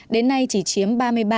đến nay chỉ chiếm ba mươi ba tám